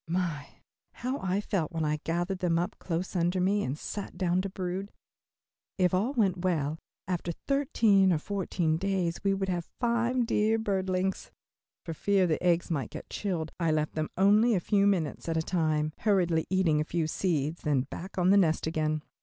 My, how I felt when I gathered them up close under me and sat down to brood. If all went well, after thirteen or fourteen days, we would have five dear birdlings. For fear the eggs might get chilled I left them only a few minutes at a time, hurriedly eating a few seeds, then back on the nest again.